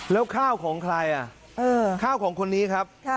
แล้วข้าวของใครข้าวของคนนี้ครับ